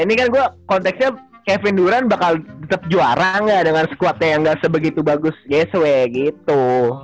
ini kan gua konteksnya kevin duran bakal tetep juara gak dengan squad nya yang gak sebegitu bagus gsw gitu